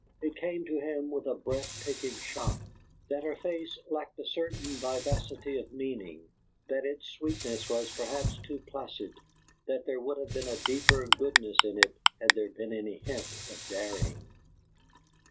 It came to him with a breath taking shock that her face lacked a certain vivacity of meaning; that its sweetness was perhaps too placid; that there would have been a deeper goodness in it had there been any hint of daring.